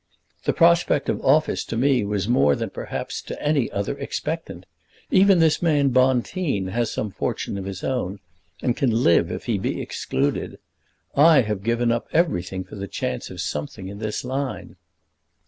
The prospect of office to me was more than perhaps to any other expectant. Even this man, Bonteen, has some fortune of his own, and can live if he be excluded. I have given up everything for the chance of something in this line."